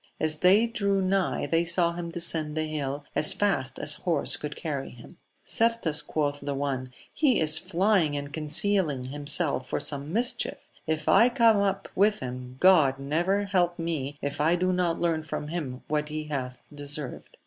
As they drew nigh they saw him descend the hill as fast as horse could carry him. Certes, quoth the one, he is flying and concealing himself for some mischief : if I come up with liim, God never help me if I do not learn from him what he hath deserved.